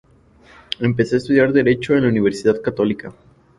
Empezó a estudiar Derecho en la Universidad Católica.